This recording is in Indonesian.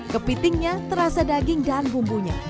kepitingnya terasa daging dan bumbunya